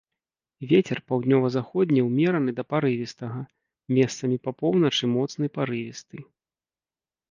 Вецер паўднёва-заходні ўмераны да парывістага, месцамі па поўначы моцны парывісты.